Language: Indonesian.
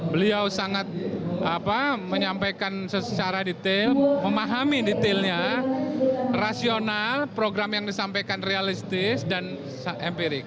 beliau sangat menyampaikan secara detail memahami detailnya rasional program yang disampaikan realistis dan empirik